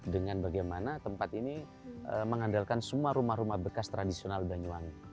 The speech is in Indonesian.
dengan bagaimana tempat ini mengandalkan semua rumah rumah bekas tradisional banyuwangi